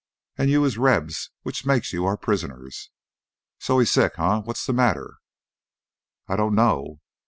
"An' you is Rebs, which makes you our prisoners. So he's sick, eh? What's the matter?" "I don't know."